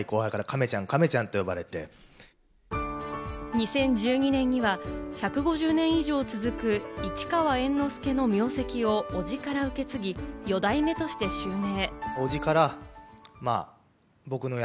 ２０１２年には１５０年以上続く市川猿之助の名跡をおじから受け継ぎ、四代目として襲名。